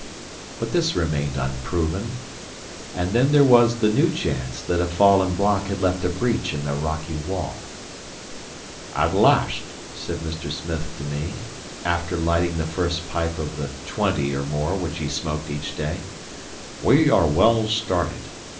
But this remained unproven. And then there was the new chance that a fallen block had left a breach in the rocky wall. "At last," said Mr. Smith to me, after lighting the first pipe of the twenty or more which he smoked each day, "we are well started.